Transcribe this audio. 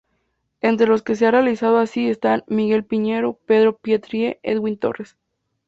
Entre los que se han realizado así, están: Miguel Piñero, Pedro Pietri, Edwin Torres.